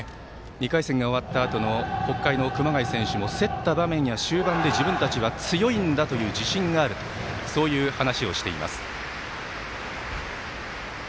２回戦が終わったあとの北海の熊谷選手も競った場面や終盤で、自分たちは強いんだという自信があるとそういう話をしています。